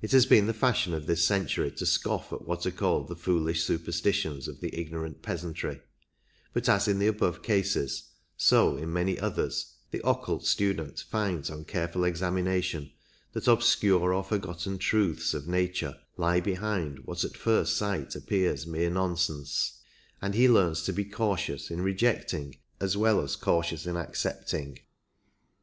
It has been the fashion of this century to scoff at what are. called the foolish superstitions of the ignorant peasantry ; but, as in the above cases, so in many others the occult student finds on careful examination that obscure or for gotten truths of nature lie behind what at first sight appears mere nonsense, and he learns to be cautious in rejecting as well as cautious in accepting.